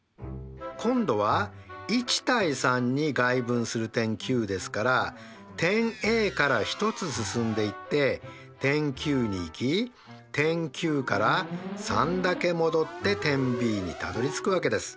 今度は１：３に外分する点Ｑですから点Ａから１つ進んでいって点Ｑに行き点Ｑから３だけ戻って点Ｂにたどりつくわけです。